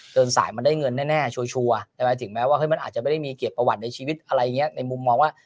เดินสายมันได้เงินแน่ค่ะมันแน่จริงแม้มันมีเกียรติประวัติในมุมนี้